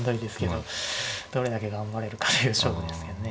どれだけ頑張れるかという勝負ですけどね。